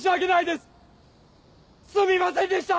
すみませんでした！